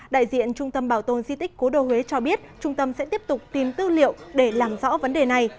đại diện trung tâm bảo tồn di tích cố đô huế cho biết trung tâm sẽ tiếp tục tìm tư liệu để làm rõ vấn đề này